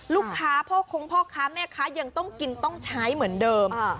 พ่อคงพ่อค้าแม่ค้ายังต้องกินต้องใช้เหมือนเดิม